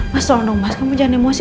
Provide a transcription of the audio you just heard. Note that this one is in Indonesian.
mas tolong dong mas kamu jangan emosi